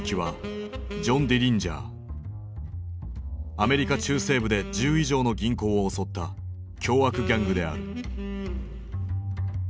アメリカ中西部で１０以上の銀行を襲った凶悪ギャングである。